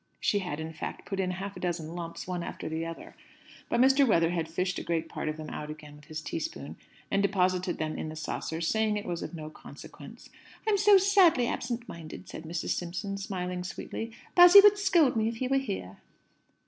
She had, in fact, put in half a dozen lumps, one after the other. But Mr. Weatherhead fished the greater part of them out again with his teaspoon, and deposited them in the saucer, saying it was of no consequence. "I am so sadly absent minded!" said Mrs. Simpson, smiling sweetly. "Bassy would scold me if he were here."